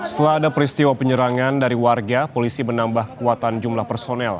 setelah ada peristiwa penyerangan dari warga polisi menambah kekuatan jumlah personel